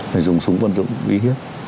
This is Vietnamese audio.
phải dùng súng phân dụng ghi hiếp